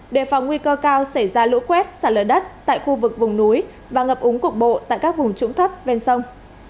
đề phòng nguy cơ cao xảy ra lũ quét xả lở đất tại khu vực vùng núi và ngập úng cục bộ tại các vùng trũng thấp ven sông